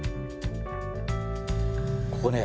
ここね